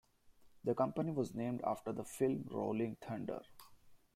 The company was named after the film "Rolling Thunder".